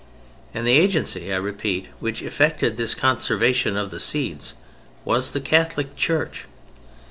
And the agency, I repeat, which effected this conservation of the seeds, was the Catholic Church.